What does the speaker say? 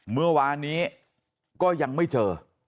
เมื่อวานนี้ก็ยังไม่เจอ